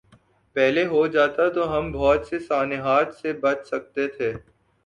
پہلے ہو جاتا تو ہم بہت سے سانحات سے بچ سکتے تھے۔